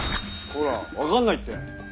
ほら分かんないって。